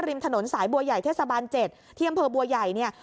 ริมถนนสายบัวใหญ่เทศบาล๗ที่อำเภอบัวใหญ่เนี่ย